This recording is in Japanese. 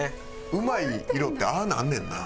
うまい色ってああなんねんな。